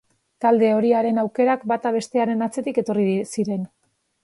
Talde horiaren aukerak bata bestearen atzetik etorri ziren.